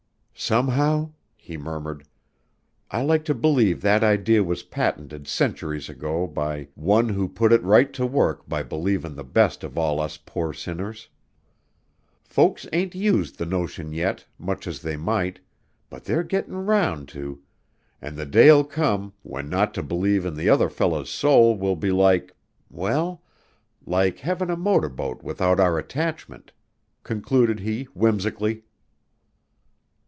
"Somehow," he murmured, "I like to believe that idee was patented centuries ago by One who put it right to work by believin' the best of all us poor sinners. Folks ain't used the notion yet, much as they might, but they're gettin' round to, an' the day'll come when not to believe in the other feller's soul will be like well, like havin' a motor boat without our attachment," concluded he whimsically.